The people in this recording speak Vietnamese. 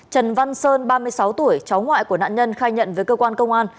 trần văn sơn ba mươi sáu tuổi cháu ngoại của nạn nhân khai nhận với cơ quan công an